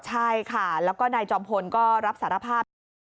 ใช่ค่ะแล้วก็นายจอมพลก็รับสารภาพนะคะ